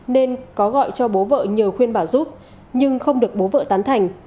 nên có gọi cho bố vợ nhờ khuyên bảo giúp nhưng không được bố vợ tán thành